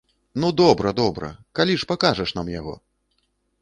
Ну, добра, добра, калі ж пакажаш нам яго?